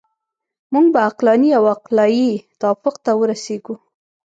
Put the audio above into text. موږ به عقلاني او عقلایي توافق ته ورسیږو.